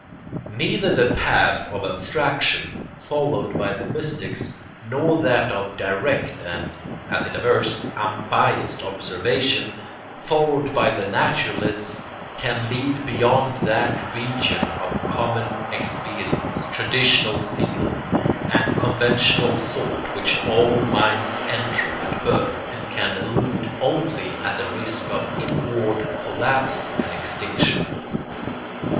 ] Neither the path of abstraction followed by the mystics, nor that of direct and, as it avers, unbiassed observation followed by the naturalists, can lead beyond that region of common experience, traditional feeling, and conventional thought which all minds enter at birth and can elude only at the risk of inward collapse and extinction.